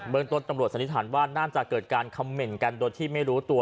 เมืองต้นตำรวจสันนิษฐานว่าน่าจะเกิดการคำเหน่นกันโดยที่ไม่รู้ตัว